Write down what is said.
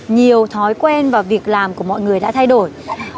nhiều thói quen và việc làm của mọi người đã thay đổi